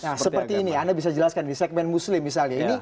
nah seperti ini anda bisa jelaskan di segmen muslim misalnya